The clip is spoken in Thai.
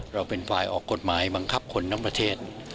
เราเป็นฝ่ายออกกฎหมายบังคับคนทั้งประเทศ